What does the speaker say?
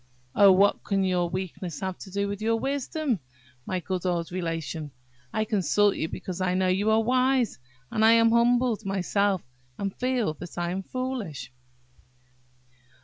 "Oh, what can your weakness have to do with your wisdom, my good old Relation? I consult you because I know you are wise; and I am humbled myself, and feel that I am foolish."